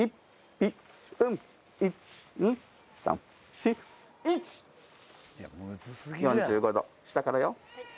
４５度、下からよ。